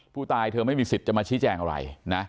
ผู้ตายเธอไม่มีสิทธิ์จะมาชี้แจงอะไร